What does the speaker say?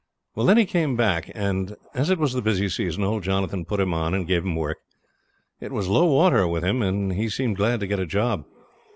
Then he came back, and as it was the busy season old Jonathan put him on, and gave him work. It was low water with him, and he seemed glad to get a job.